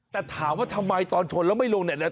แต่ถามว่าทำไมตอนชนแล้วไม่ลงเนี่ย